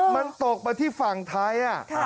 มันตกไปที่ฝั่งท้าย